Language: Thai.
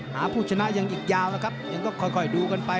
ผู้ชนะยังอีกยาวนะครับยังต้องค่อยดูกันไป